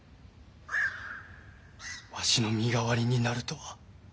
わしの身代わりになるとは。